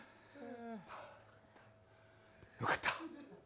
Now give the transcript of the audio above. よかった。